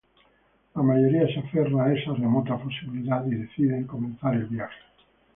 La mayoría se aferra a esa remota posibilidad y deciden comenzar el viaje.